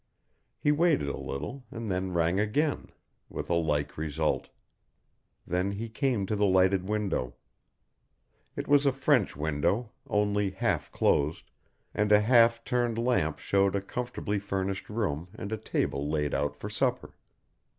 He waited a little and then rang again, with a like result. Then he came to the lighted window. It was a French window, only half closed, and a half turned lamp showed a comfortably furnished room and a table laid out for supper.